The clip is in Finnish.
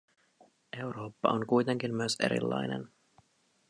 Eurooppa on kuitenkin myös erilainen.